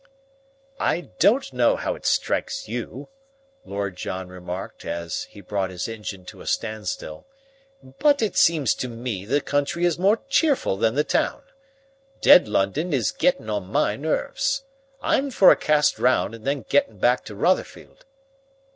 "I don't know how it strikes you," Lord John remarked as he brought his engine to a standstill, "but it seems to me the country is more cheerful than the town. Dead London is gettin' on my nerves. I'm for a cast round and then gettin' back to Rotherfield."